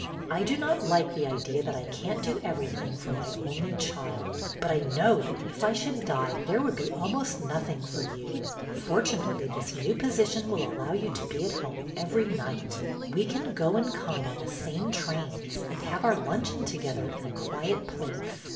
I do not like the idea that I can't do everything for my only child, but I know that if I should die there IN THE STUDY 269 would be almost nothing for you. Fortunately, this new position will allow you to be at home every night. We can go and come on the same trains and have our luncheon together in a quiet place.'